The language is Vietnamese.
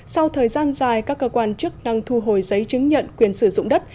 sau thời gian dài các cơ quan chức năng thu hồi giấy chứng nhận quyền sử dụng đất